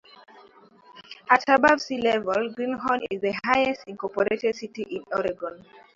At above sea level, Greenhorn is the highest incorporated city in Oregon.